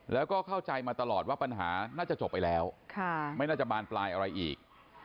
แล้วก็เข้าใจมาตลอดว่าปัญหาน่าจะจบไปแล้วไม่น่าจะบานปลายอะไรอีก